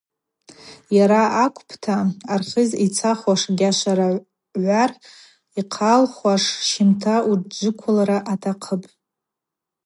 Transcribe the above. Йара акӏвпӏта, Архыз йцахуаш, Гьашваргӏвар йхъалуаш щымта уджвыквылра атахъыпӏ.